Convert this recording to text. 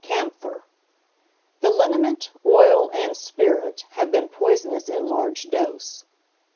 CAMPHOR The liniment, oil, and spirit have been poisonous in large dose.